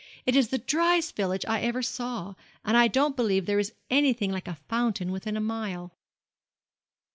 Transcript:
'It is the dryest village I ever saw; and I don't believe there is anything like a fountain within a mile.'